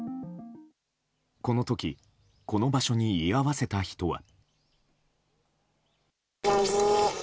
この時この場所に居合わせた人は。